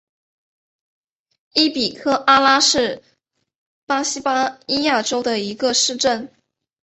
伊比科阿拉是巴西巴伊亚州的一个市镇。